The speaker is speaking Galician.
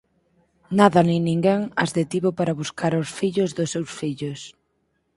Nada ni ninguén as detivo para buscar aos fillos dos seus fillos.